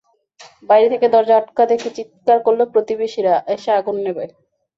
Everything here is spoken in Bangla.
বাইরে থেকে দরজা আটকা দেখে চিৎকার করলে প্রতিবেশীরা এসে আগুন নেভায়।